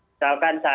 misalkan saya membuat